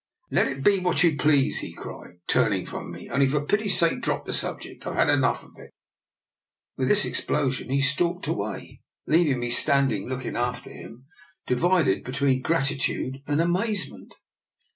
" Let it be what you please," he cried, turning from me. Only for pity's sake drop the subject: I've had enough of it." With this explosion he stalked away, leav 20 I>R. KIKOLA'S EXPERIMENT. ing me standing looking after him, divided between gratitude and amazement.